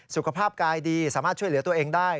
สุขภาพกายดีสามารถช่วยเหลือตัวเองได้